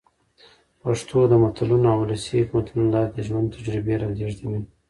پښتو د متلونو او ولسي حکمتونو له لاري د ژوند تجربې را لېږدوي.